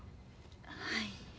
はい。